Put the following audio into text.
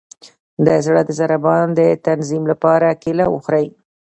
د زړه د ضربان د تنظیم لپاره کیله وخورئ